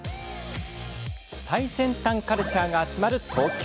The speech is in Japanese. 最先端カルチャーが集まる東京。